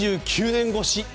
２９年越し。